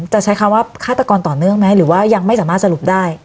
จะใช้คำว่าฆาตกรต่อเนื่องไหมหรือว่ายังไม่สามารถสรุปได้